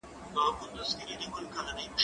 زه بايد قلم استعمالوم کړم؟!